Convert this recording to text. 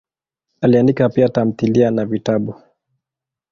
Aliandika pia tamthilia na vitabu.